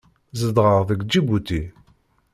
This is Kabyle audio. Zedɣeɣ deg Ǧibuti.